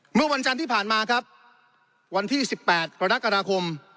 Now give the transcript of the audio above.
เมื่อวันจันทร์ที่ผ่านมาครับวันที่๑๘กรกฎาคม